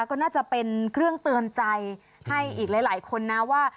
ก็น่าจะเป็นเครื่องเตือนใจให้อีกหลายคนนะว่า